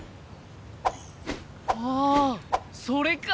ああそれか！